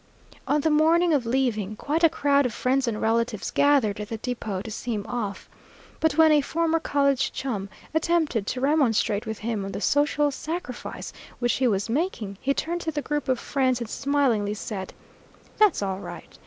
On the morning of leaving, quite a crowd of friends and relatives gathered at the depot to see him off. But when a former college chum attempted to remonstrate with him on the social sacrifice which he was making, he turned to the group of friends, and smilingly said, "That's all right.